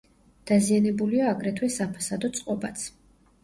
დაზიანებულია აგრეთვე საფასადო წყობაც.